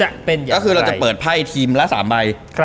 ก็คือเราจะเปิดไพ่ทีมละ๓ใบ